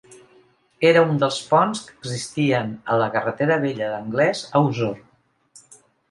Era un dels ponts que existien a la carretera vella d'Anglés a Osor.